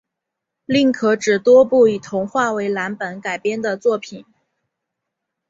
另可指多部以童话为蓝本改编的作品